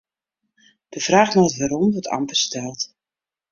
De fraach nei it wêrom wurdt amper steld.